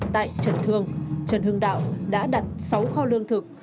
tại trần thương trần hưng đạo đã đặt sáu kho lương thực